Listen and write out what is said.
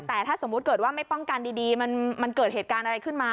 แต่ถ้าสมมุติเกิดว่าไม่ป้องกันดีมันเกิดเหตุการณ์อะไรขึ้นมา